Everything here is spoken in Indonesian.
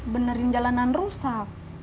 benerin jalanan rusak